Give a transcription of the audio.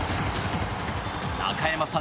中山さん